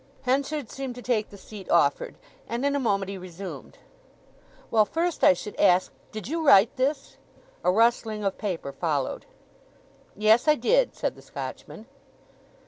Henchard seemed to take the seat offered, and in a moment he resumed: "Well, first I should ask, did you write this?" A rustling of paper followed. "Yes, I did," said the Scotchman.